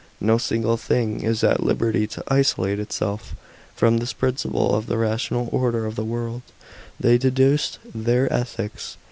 No single thing is at liberty to isolate itself. From this principle of the rational order of the world they deduced their ethics.